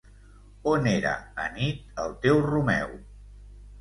On era anit el teu Romeu?